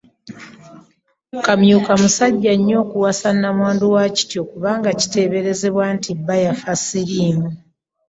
Kamyuka musajja nnyo okuwasa namwandu wa Kityo kubanga kiteeberezebwa nti bba yafa ssiriimu.